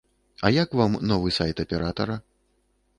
А як вам новы сайт аператара?